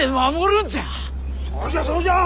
そうじゃそうじゃ！